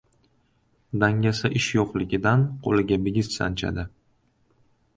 • Dangasa ish yo‘qligidan qo‘liga bigiz sanchadi.